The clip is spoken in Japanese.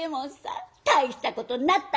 大したことになったねえ」。